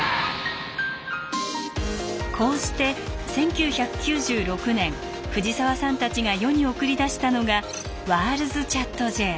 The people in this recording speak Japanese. こうして１９９６年藤沢さんたちが世に送り出したのが「ＷｏｒｌｄｓＣｈａｔ／Ｊ」。